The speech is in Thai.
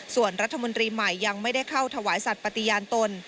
ส่วนรัฐมนตรีใหม่ยังไม่ได้เข้าถวายสัตว์ปฏิญาณตน